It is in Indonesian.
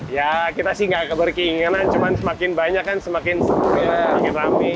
ya kita sih gak keberkeinginan cuma semakin banyak kan semakin rame